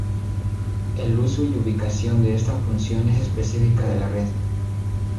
El uso y ubicación de esta función es específica de la red.